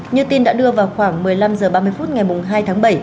như tin đã đưa vào khoảng một mươi năm h ba mươi phút ngày hai tháng bảy